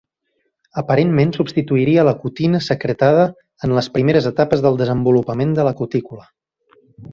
Aparentment substituiria la cutina secretada en les primeres etapes del desenvolupament de la cutícula.